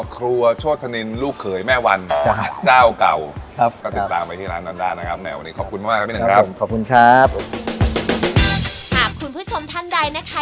ครัวโชทธนินลูกเขยแม่วัน